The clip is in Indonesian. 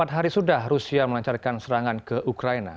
empat hari sudah rusia melancarkan serangan ke ukraina